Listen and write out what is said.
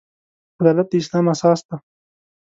عدالت د اسلام اساس دی.